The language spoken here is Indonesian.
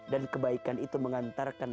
dan kebaikan itu mengantarkan